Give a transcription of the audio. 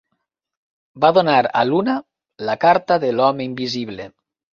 Va donar a Luna la carta de l'Home invisible.